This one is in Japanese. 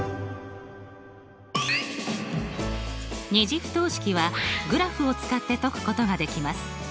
２次不等式はグラフを使って解くことができます。